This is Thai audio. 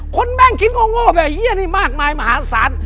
คนแม่งคิดโง่โง่แบบไอ้เหี้ยนี่มากมายมหาศาล